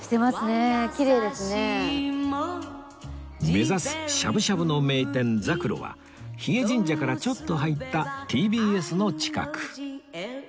目指すしゃぶしゃぶの名店ざくろは日枝神社からちょっと入った ＴＢＳ の近く